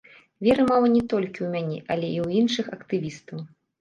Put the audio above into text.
Веры мала не толькі ў мяне, але і ў іншых актывістаў.